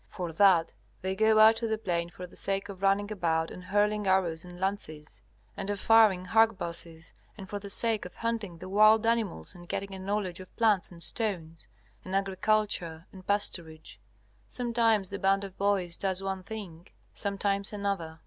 For that they go out to the plain for the sake of running about and hurling arrows and lances, and of firing harquebuses, and for the sake of hunting the wild animals and getting a knowledge of plants and stones, and agriculture and pasturage; sometimes the band of boys does one thing, sometimes another.